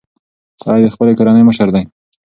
سړی د خپلې کورنۍ مشر دی.